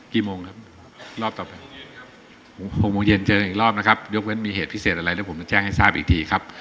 กี่โมงครับรอบต่อไป๖โมงเย็นครับ๖โมงเย็นเจออีกรอบนะครับยกเว้นมีเหตุพิเศษอะไรผมจะแจ้งให้ทราบอีกทีครับ